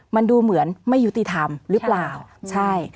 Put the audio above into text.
มันดูเหมือนไม่ยุติธรรมหรือเปล่าใช่